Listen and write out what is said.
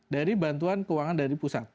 dari bantuan keuangan dari pusat